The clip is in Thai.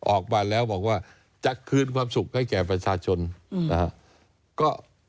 ออกมาแล้วบอกว่าจะคืนความสุขให้แก่ประชาชนนะครับ